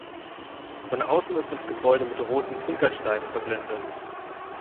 Von außen ist das Gebäude mit roten Klinkersteinen verblendet.